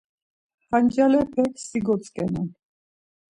Ham ncalepek si gotzǩenan.